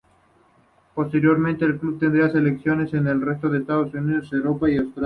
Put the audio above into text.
Posteriormente el club tendría secciones en el resto de Estados Unidos, Europa y Australia.